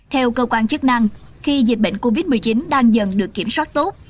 theo cơ quan chức năng khi dịch bệnh covid một mươi chín đang dần được kiểm soát tốt